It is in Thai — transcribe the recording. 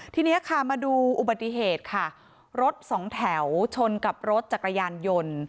ทีนี้ค่ะมาดูอุบัติเหตุค่ะรถสองแถวชนกับรถจักรยานยนต์